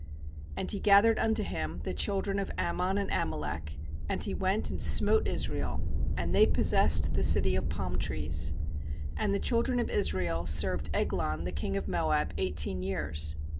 13And he gathered unto him the chil dren of Ammon and Amalek; and he went and smote Israel, and they pos sessed the city of palm trees. 14And the children of Israel served Eglon the king of Moab eighteen years.